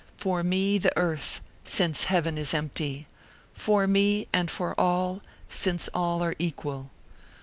for me, the earth, since heaven is empty! for me and for all, since all are equal."